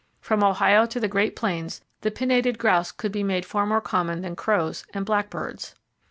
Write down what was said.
From Ohio to the great plains, the pinnated grouse could be made far more common than crows and blackbirds.